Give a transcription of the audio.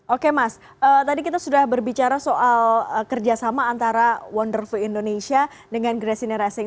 oke mas tadi kita sudah berbicara soal kerjasama antara wonderful indonesia dengan gracine racing